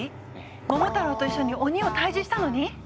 桃太郎と一緒に鬼を退治したのに？